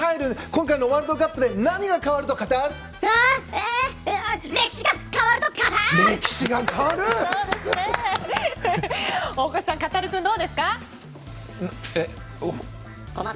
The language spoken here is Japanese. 今回のワールドカップで何が変わるの？